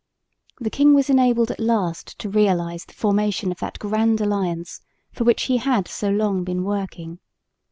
The king was enabled at last to realise the formation of that Grand Alliance for which he had so long been working.